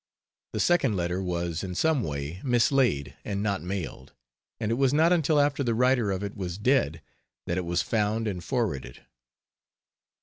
The second letter was, in some way, mislaid and not mailed; and it was not until after the writer of it was dead that it was found and forwarded.